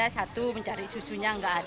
satu mencari susunya nggak ada